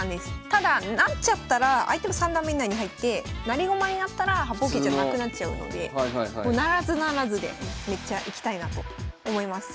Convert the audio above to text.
ただ成っちゃったら相手の三段目以内に入って成り駒になったら八方桂じゃなくなっちゃうので不成不成でめっちゃいきたいなと思います。